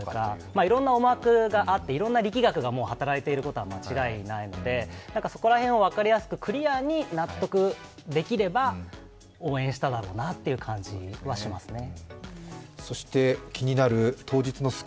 いろいろな思惑があって、いろいろな力学が働いているのは間違いないので、そこら辺を分かりやすくクリアに納得できれば応援しただろうなという感じはしますね。